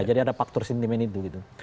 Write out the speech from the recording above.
jadi ada faktor sentimen itu gitu